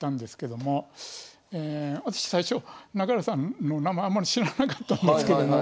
私最初中原さんの名前あんまり知らなかったんですけども。